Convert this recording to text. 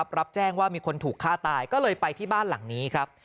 รับแจ้งว่ามีคนถูกฆ่าตายก็เลยไปที่บ้านหลังนี้ครับ